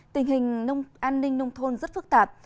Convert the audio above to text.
tình hình an ninh nông thôn rất phức tạp